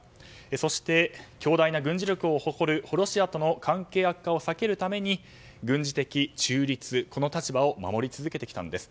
そして、強大な軍事力を誇るロシアとの関係悪化を避けるために軍事的中立、この立場を守り続けてきたんです。